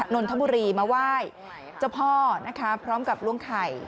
นนทบุรีมาไหว้เจ้าพ่อนะคะพร้อมกับล้วงไข่